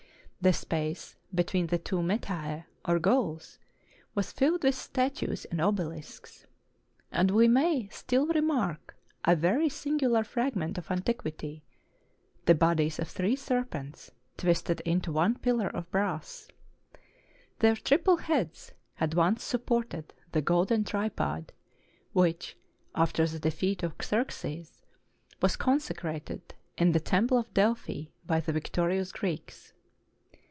The space 457 TURKEY between the two meta or goals was filled with statues and obelisks; and we may still remark a very singular frag ment of antiquity; the bodies of three serpents, twisted into one pillar of brass. Their triple heads had once sup ported the golden tripod which, after the defeat of Xerxes, was consecrated in the temple of Delphi by the victorious Greeks.